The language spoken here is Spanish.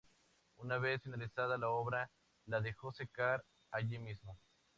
Una vez finalizada la obra, la dejó secar allí mismo.